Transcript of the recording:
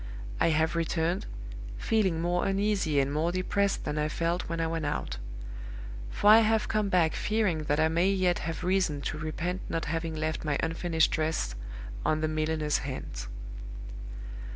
I have returned, feeling more uneasy and more depressed than I felt when I went out; for I have come back fearing that I may yet have reason to repent not having left my unfinished dress on the milliner's hands.